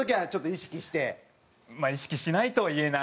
意識しないとは言えないですよね。